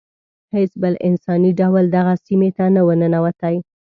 هیڅ بل انساني ډول دغه سیمې ته نه و ننوتی.